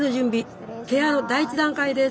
ケアの第一段階です。